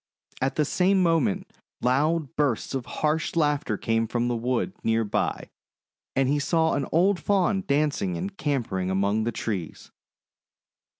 At the same moment loud bursts of harsh laughter came from the wood near by, and he saw an old Faun dancing and capering among the trees.